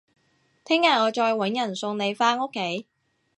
聽日我再搵人送你返屋企